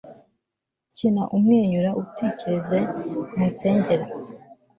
kina, umwenyure, utekereze, munsengere